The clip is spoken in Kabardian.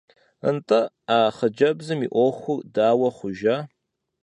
НтӀэ, а хъыджэбзым и Ӏуэхур дауэ хъужа?